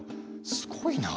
すごいなあ。